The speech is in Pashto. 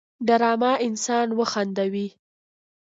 ډرامه انسان وخندوي